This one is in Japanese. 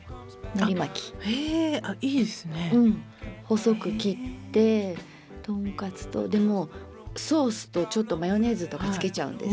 細く切って豚カツとでもうソースとちょっとマヨネーズとかつけちゃうんです。